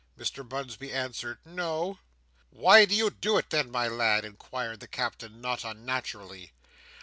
Mr Bunsby answered "No." "Why do you do it, then, my lad?" inquired the Captain, not unnaturally.